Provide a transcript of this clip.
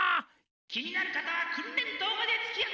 気になる方は訓練棟までツキあって。